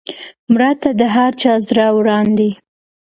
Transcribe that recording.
مړه ته د هر چا زړه وران دی